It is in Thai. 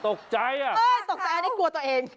ตกใจอันนี้กลัวตัวเอง